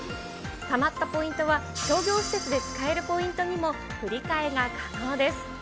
たまったポイントは商業施設で使えるポイントにも振り替えが可能です。